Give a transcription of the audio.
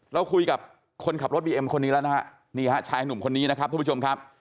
เราคุยกับคนขับรถบีเอ็มคนนี้แล้วนะฮะนี่ฮะชายหนุ่มคนนี้นะครับทุกผู้ชมครับ